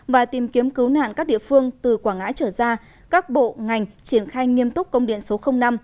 và tìm kiếm cứu nạn các địa phương từ quảng ngãi trở ra các bộ ngành triển khai nghiêm túc công điện số năm